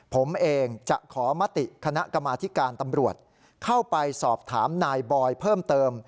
ผมเองจะขอมติคณะกรรมาธิการตำรวจเข้าไปสอบถามนายบอยเพิ่มเติม